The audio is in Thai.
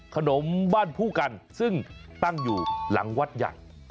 ขนมบ้านผู้กันซึ่งตั้งอยู่หลังวัดใหญ่